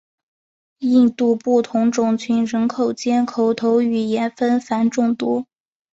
印度不同族群人口间口头语言纷繁众多。